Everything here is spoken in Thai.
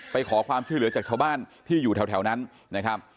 ไปขอความช่วยเหลือจากชาวบ้านที่อยู่แถวนั้นนะครับ